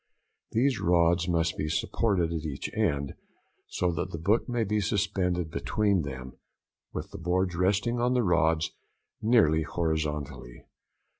These rods must be supported at each end, so that the book may be suspended between them, with the boards resting on the rods nearly horizontally.